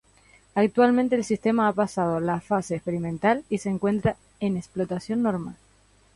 Actualmente el sistema ha pasado la fase experimental y se encuentra en explotación normal.